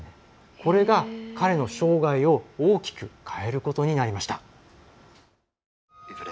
これが彼の生涯を大きく変えることになりました。